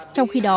trong khi đó